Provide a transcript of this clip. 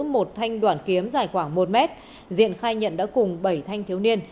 một thanh đoạn kiếm dài khoảng một mét diện khai nhận đã cùng bảy thanh thiếu niên